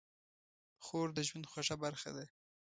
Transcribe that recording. خور د ژوند خوږه برخه ده.